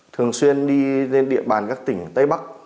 thường xuyên đi trên địa bàn các tỉnh tây bắc